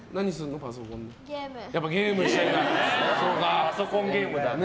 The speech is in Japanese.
パソコンゲームだね。